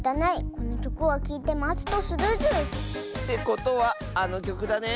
このきょくをきいてまつとするズー。ってことはあのきょくだね？